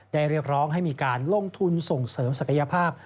เรียกร้องให้มีการลงทุนส่งเสริมศักยภาพ